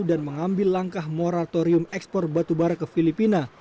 dan mengambil langkah moratorium ekspor batu bara ke filipina